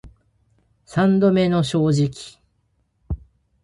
三度目の正直